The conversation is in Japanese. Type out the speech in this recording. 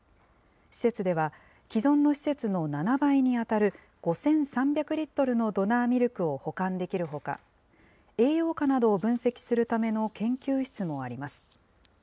施設では、既存の施設の７倍に当たる５３００リットルのドナーミルクを保管できるほか、栄養価などを分析するための研究室もあります。